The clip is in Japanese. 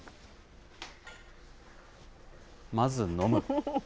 まず飲む。